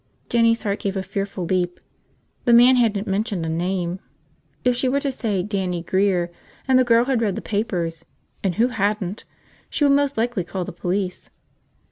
Jinny's heart gave a fearful leap. The man hadn't mentioned a name. If she were to say Dannie Grear, and the girl had read the papers – and who hadn't! – she would most likely call the police.